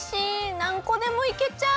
なんこでもいけちゃう！